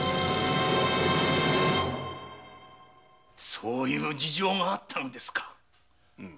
そういう事情があったのですか？